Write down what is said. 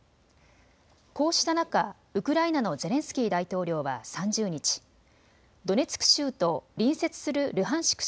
こうした中、ウクライナのゼレンスキー大統領は３０日、ドネツク州と隣接するルハンシク